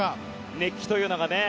熱気というのが。